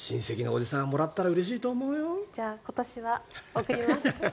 じゃあ、今年は送ります。